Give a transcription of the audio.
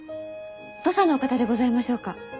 土佐のお方でございましょうか？